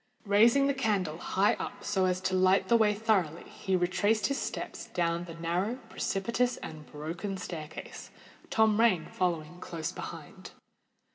Raising the candle high up so as to light the way thoroughly, he retraced his steps down the narrow, precipitous, and broken staircase, Tom Rain following close behind.